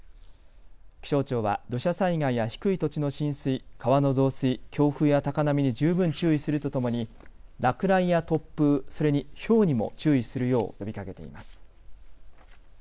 気象庁は土砂災害や低い土地の浸水、川の増水、強風や高波に十分注意するとともに落雷や突風、それに、ひょうにも注意するよう呼びかけています。